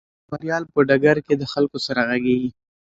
خبریال په ډګر کې د خلکو سره غږیږي.